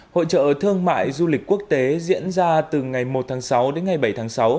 hội trợ thương mại du lịch quốc tế diễn ra từ ngày một tháng sáu đến ngày bảy tháng sáu